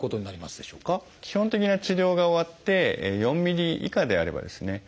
基本的な治療が終わって４ｍｍ以下であればですね